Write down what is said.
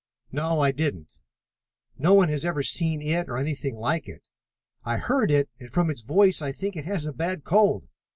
"No, I didn't. No one has ever seen it or anything like it. I heard it and, from its voice, I think it has a bad cold.